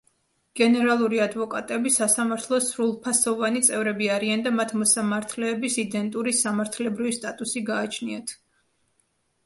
გენერალური ადვოკატები სასამართლოს სრულფასოვანი წევრები არიან და მათ მოსამართლეების იდენტური სამართლებრივი სტატუსი გააჩნიათ.